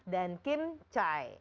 dan kim chai